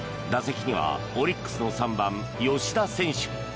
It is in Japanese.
打席にはオリックスの３番、吉田選手。